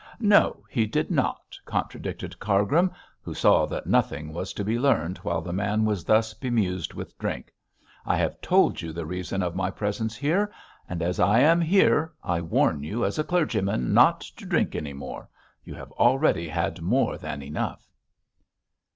'No, he did not,' contradicted Cargrim, who saw that nothing was to be learned while the man was thus bemused with drink. 'I have told you the reason of my presence here. And as I am here, I warn you, as a clergyman, not to drink any more. You have already had more than enough.'